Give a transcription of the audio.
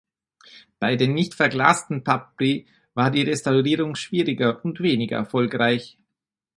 Bei den nicht verglasten Papyri war die Restaurierung schwieriger und weniger erfolgreich.